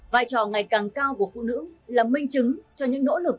vai trò ngày càng cao của phụ nữ là minh chứng cho những nỗ lực